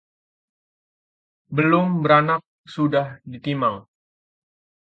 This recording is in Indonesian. Belum beranak sudah ditimang